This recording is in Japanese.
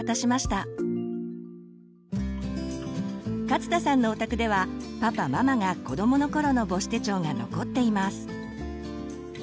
勝田さんのお宅ではパパママが子どもの頃の母子手帳が残っています。